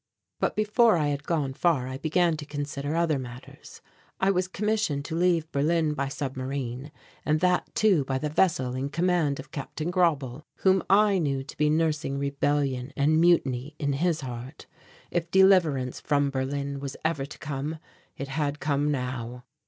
But before I had gone far I began to consider other matters. I was commissioned to leave Berlin by submarine and that too by the vessel in command of Captain Grauble, whom I knew to be nursing rebellion and mutiny in his heart. If deliverance from Berlin was ever to come, it had come now.